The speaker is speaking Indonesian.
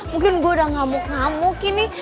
mungkin gue udah ngamuk ngamuk ini